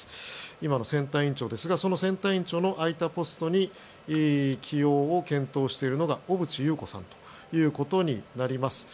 今の選対委員長ですがその選対委員長の空いたポストに起用を検討しているのが小渕優子さんということになります。